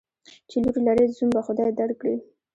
چی لور لرې ، زوم به خدای در کړي.